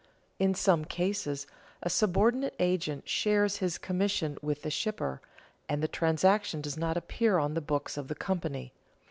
In some cases a subordinate agent shares his commission with the shipper, and the transaction does not appear on the books of the company.